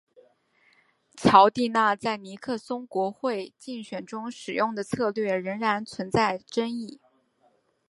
乔蒂纳在尼克松国会竞选中使用的策略仍然存在争议。